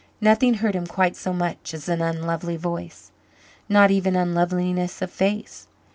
Nothing hurt him quite so much as an unlovely voice not even unloveliness of face.